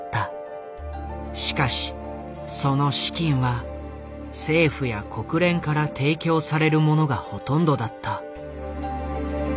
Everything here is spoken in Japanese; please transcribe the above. しかしその資金は政府や国連から提供されるものがほとんどだった。